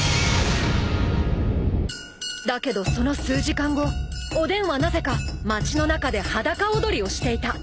［だけどその数時間後おでんはなぜか町の中で裸踊りをしていた］